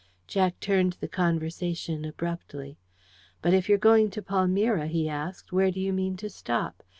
Jack turned the conversation abruptly. "But if you're going to Palmyra," he asked, "where do you mean to stop?